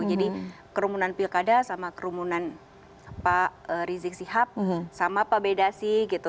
jadi kerumunan pilkada sama kerumunan pak rizik sihab sama pak beda sih gitu